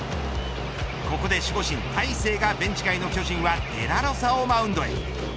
ここで守護神大勢がベンチ外の巨人はデラロサをマウンドへ。